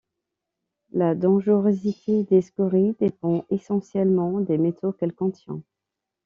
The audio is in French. La dangerosité des scories dépend essentiellement des métaux qu'elle contient.